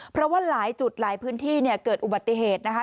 เพราะว่าหลายจุดหลายพื้นที่เนี่ยเกิดอุบัติเหตุนะคะ